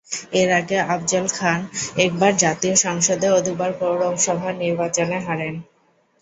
এর আগে আফজল খান একবার জাতীয় সংসদে ও দুবার পৌরসভা নির্বাচনে হারেন।